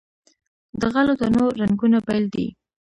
د غلو دانو رنګونه بیل دي.